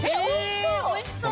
おいしそう！